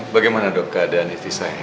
bagaimana dok keadaan istri saya